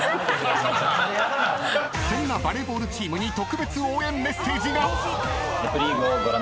［そんなバレーボールチームに特別応援メッセージが！］